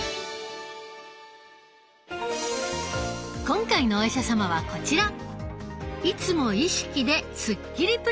今回のお医者様はこちら！